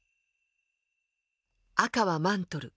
赤はマントル。